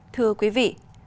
thưa quý vị